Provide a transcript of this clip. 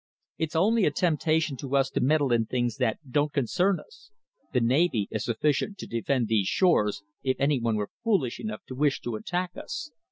It's only a temptation to us to meddle in things that don't concern us. The navy is sufficient to defend these shores, if any one were foolish enough to wish to attack us.